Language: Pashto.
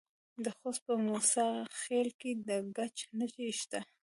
د خوست په موسی خیل کې د ګچ نښې شته.